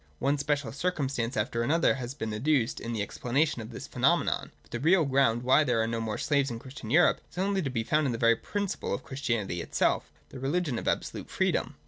One special circumstance after another has been adduced in explanation of this phenomenon. But the real ground why there are no more slaves in Christian Europe is only to be found in the very principle of Christianity itself, the religion of absolute freedom.